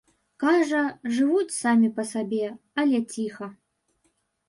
Кажа, жывуць самі па сабе, але ціха.